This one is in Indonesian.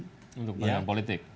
untuk bagian politik